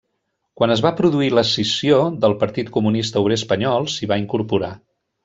Quan es va produir l'escissió del Partit Comunista Obrer Espanyol s'hi va incorporar.